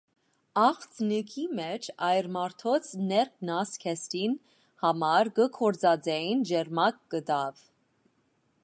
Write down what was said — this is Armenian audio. Աղձնիքի մէջ այր մարդոց ներքնազգեստին համար կը գործածէին ճերմակ կտաւ։